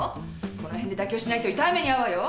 この辺で妥協しないと痛い目に遭うわよ！